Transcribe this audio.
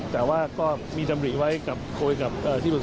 แต่ว่าก็มีจำนีไว้กับโครวิตกับที่ศึกษง